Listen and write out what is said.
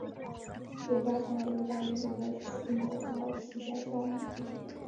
也将成为一带一路的枢纽和旗舰项目。